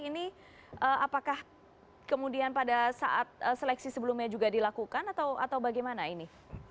ini apakah kemudian pada saat seleksi sebelumnya juga dilakukan atau bagaimana ini